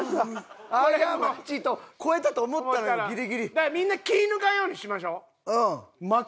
だからみんな気ぃ抜かんようにしましょ。